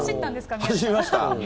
走りました。